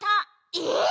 えっ！？